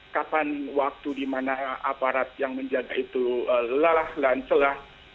kapan waktu di mana aparat yang menjaga itu lelah dan celah